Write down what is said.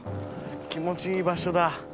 気持ちいい場所だ。